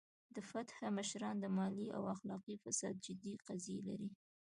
د فتح مشران د مالي او اخلاقي فساد جدي قضیې لري.